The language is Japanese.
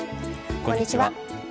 こんにちは。